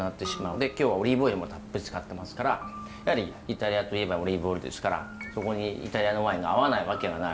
で今日はオリーブオイルもたっぷり使ってますからやはりイタリアといえばオリーブオイルですからそこにイタリアのワインが合わないわけがない。